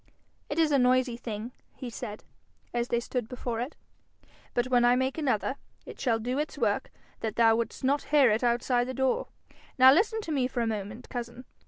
'It is a noisy thing,' he said, as they stood before it, 'but when I make another, it shall do its work that thou wouldst not hear it outside the door. Now listen to me for a moment, cousin.